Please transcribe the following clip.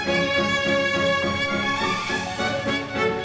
aku kan terpaksa hantar back peach